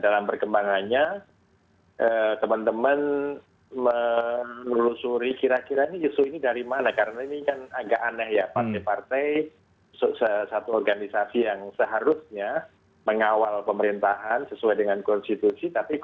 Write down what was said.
dalam perkembangannya teman teman menelusuri kira kira ini justru ini dari mana karena ini kan agak aneh ya partai partai satu organisasi yang seharusnya mengawal pemerintahan sesuai dengan konstitusi